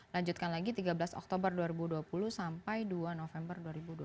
lanjutkan lagi tiga belas oktober dua ribu dua puluh sampai dua november dua ribu dua puluh